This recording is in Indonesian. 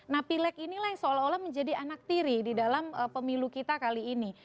nah pileg inilah yang seolah olah menjadi anak tiri di dalam pemilu kita kali ini